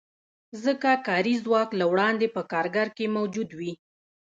ځکه کاري ځواک له وړاندې په کارګر کې موجود وي